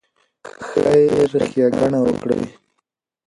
خیر ښېګڼه وکړئ.